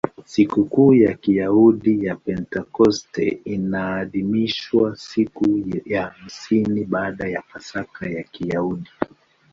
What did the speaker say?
Sikukuu ya Kiyahudi ya Pentekoste inaadhimishwa siku ya hamsini baada ya Pasaka ya Kiyahudi.